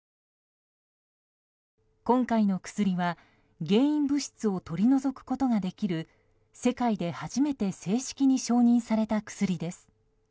今回の薬は、原因物質を取り除くことができる世界で初めて正式に承認された薬です。